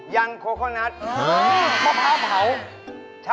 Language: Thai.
ยังโคโนต